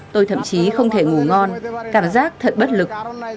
tôi thậm chí không thể ngủ ngon cảm giác thật bất lực